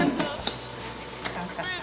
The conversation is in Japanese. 楽しかった？